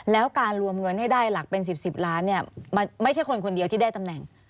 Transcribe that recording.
แล้วการรวมเงินได้หลักเป็นสิบล้านไม่ใช่คนคนเดียวที่ได้ตำแหน่ง